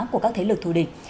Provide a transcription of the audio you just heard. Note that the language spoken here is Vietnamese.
của các thế lực thù địch